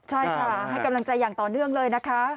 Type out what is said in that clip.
ใช่ค่ะให้กำลังใจอย่างต่อเนื่องเลยนะคะ